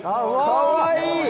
かわいい！